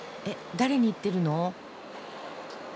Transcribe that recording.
誰に言ってるの？